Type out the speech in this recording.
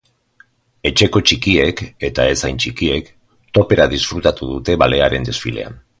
Etxeko txikiek, eta ez hain txikiek, topera disfrutatu dute balearen desfilean.